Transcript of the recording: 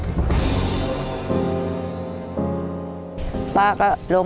ขอเพียงคุณสามารถที่จะเอ่ยเอื้อนนะครับ